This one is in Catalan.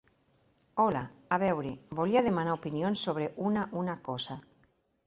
Hola, a veure, volia demanar opinions sobre una una cosa.